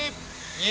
２。